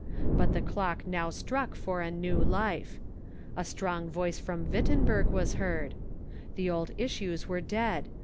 But the clock now struck for a new life. A strong voice from Wittenberg Avas heard. The old issues were dead.